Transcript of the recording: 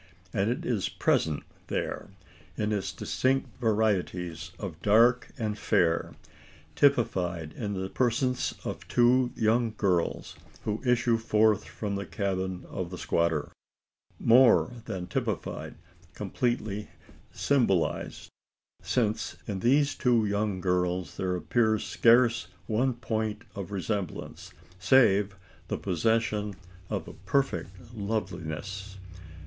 And it is present there, in its distinct varieties of dark and fair typified in the persons of two young girls who issue forth from the cabin of the squatter: more than typified completely symbolised since in these two young girls there appears scarce one point of resemblance, save the possession of a perfect loveliness.